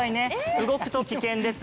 動くと危険です。